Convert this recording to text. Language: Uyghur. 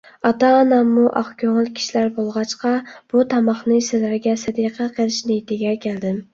ئاتا - ئاناممۇ ئاق كۆڭۈل كىشىلەر بولغاچقا، بۇ تاماقنى سىلەرگە سەدىقە قىلىش نىيىتىگە كەلدىم.